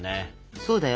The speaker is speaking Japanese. そうだよ。